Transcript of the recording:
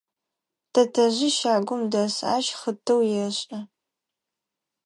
Тэтэжъи щагум дэс, ащ хъытыу ешӏы.